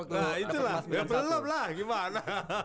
nah itu lah belum lah gimana